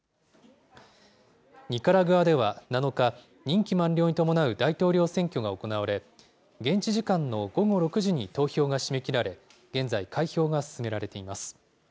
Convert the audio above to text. ニカラグアでは７日、任期満了に伴う大統領選挙が行われ、現地時間の午後６時に投票が締め切られ、現在、開票が進められています。